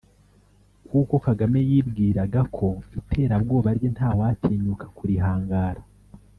kuko Kagame yibwiraga ko iterabwoba rye ntawatinyuka kurihangara